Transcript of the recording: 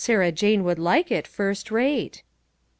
Sarah Jane would like it, first rate."